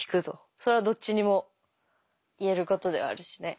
それはどっちにも言えることではあるしね。